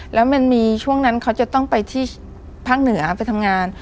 แล้วมันมีช่วงนั้นเขาจะต้องไปที่ภาคเหนือไปทำงาน